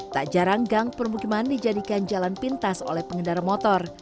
tak jarang gang permukiman dijadikan jalan pintas oleh pengendara motor